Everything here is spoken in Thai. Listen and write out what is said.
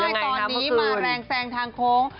ใช่ตอนนี้มาแรงแซงทางโค้ง